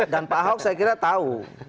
dan pak ahok saya kira tahu